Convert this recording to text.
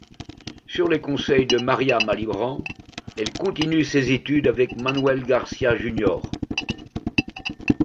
Sur les conseils de Maria Malibran, elle continue ses études avec Manuel Garcia junior.